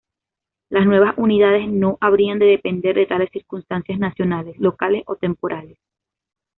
Las nuevas unidades no habrían de depender de tales circunstancias nacionales, locales o temporales.